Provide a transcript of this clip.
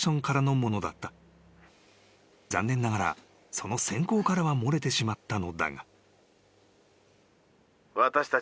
［残念ながらその選考からは漏れてしまったのだが］